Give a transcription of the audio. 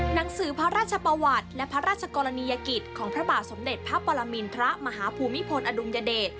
หนังสือพระราชประวัติและพระราชกรณียกิจของพระบาทสมเด็จพระปรมินทรมาฮภูมิพลอดุลยเดช